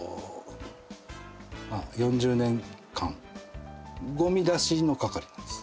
まあ４０年間ごみ出しの係なんです。